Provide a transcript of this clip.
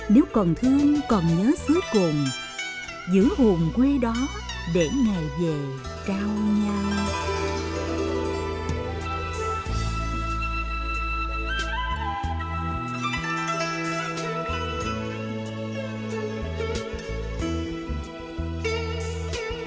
nếu còn thương còn nhớ xứ cồn giữ hồn quê đó để ngày về trao nhau